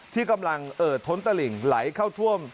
ที่กำลังเอ่อท้นตะหลิ่งไหลเข้าท่วม